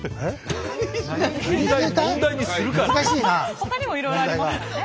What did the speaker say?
ほかにもいろいろありますもんね。